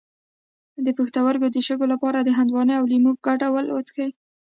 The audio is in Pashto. د پښتورګو د شګو لپاره د هندواڼې او لیمو ګډول وڅښئ